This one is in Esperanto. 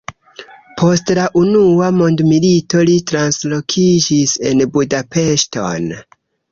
Post la unua mondmilito li translokiĝis en Budapeŝton.